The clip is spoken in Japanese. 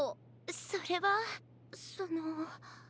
それはその。